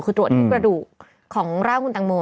คือตรวจพิกรดุของรากคุณตังโม